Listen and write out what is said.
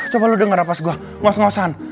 coba lu denger apa sebuah ngos ngosan